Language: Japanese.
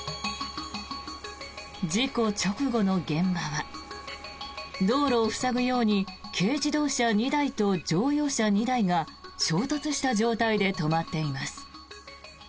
事故直後の現場は道路を塞ぐように軽自動車２台と乗用車２台が衝突した状態で止まっています。